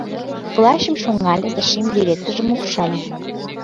Плащым шоҥале да шем береткыжым упшале.